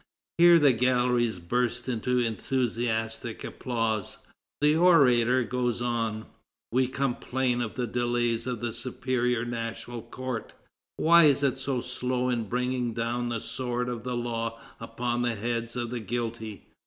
Here the galleries burst into enthusiastic applause. The orator goes on: "We complain of the delays of the Superior National Court. Why is it so slow in bringing down the sword of the law upon the heads of the guilty?